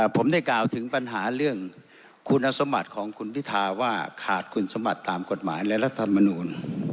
ผมได้กล่าวถึงปัญหาเรื่องคุณสมบัติของคุณพิธาว่าขาดคุณสมบัติตามกฎหมายและรัฐมนูล